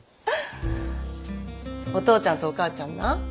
お父ちゃんとお母ちゃんな